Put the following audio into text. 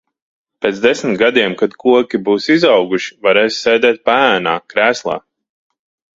Pēc desmit gadiem kad koki būs izauguši, varēsi sēdēt paēnā, krēslā.